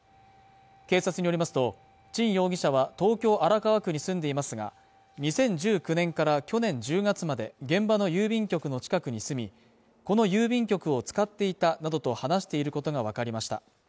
警察によりますと陳容疑者は、東京荒川区に住んでいますが、２０１９年から去年１０月まで、現場の郵便局の近くに住み、この郵便局を使っていたなどと話していることがわかりました。